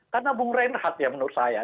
karena bung reinhardt ya menurut saya